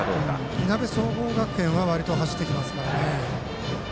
いなべ総合学園はわりと走ってきますからね。